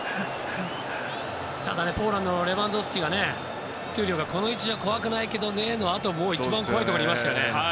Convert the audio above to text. ポーランドもレバンドフスキが闘莉王の、この位置だと怖くないからねのあと一番怖いところにいましたからね。